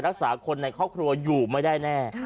รักษาคนในครอบครัวอยู่ไม่ได้แน่